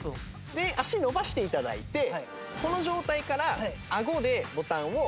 で足伸ばして頂いてこの状態からあごでボタンを。